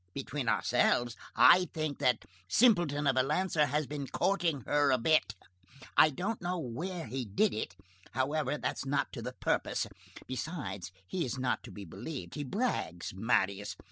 Between ourselves, I think that simpleton of a lancer has been courting her a bit. I don't know where he did it. However, that's not to the purpose. Besides, he is not to be believed. He brags, Marius!